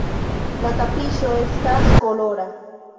La tapiŝo estas kolora.